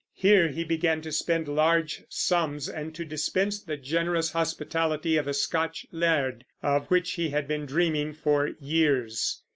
Here he began to spend large sums, and to dispense the generous hospitality of a Scotch laird, of which he had been dreaming for years.